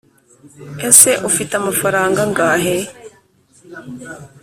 ese ufite amafaranga angahe